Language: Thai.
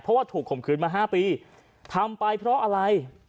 เพราะว่าถูกข่มขืนมา๕ปีทำไปเพราะอะไร